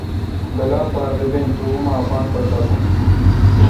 بلا پار دہ بین تے تو اما اپان پر ٹاکون۔